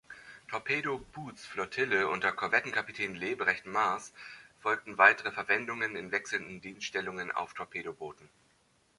Torpedo-Boots-Flottille unter Korvettenkapitän Leberecht Maaß folgten weitere Verwendungen in wechselnden Dienststellungen auf Torpedobooten.